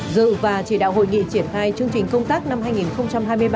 dự và chỉ đạo hội nghị triển khai chương trình công tác năm hai nghìn hai mươi ba